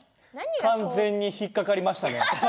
完全に引っ掛かりましたね。